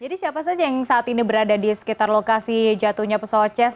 jadi siapa saja yang saat ini berada di sekitar lokasi jatuhnya pesawat ces